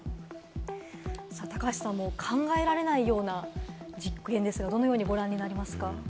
高橋さん、考えられないような事件ですが、どのようにご覧になりますか？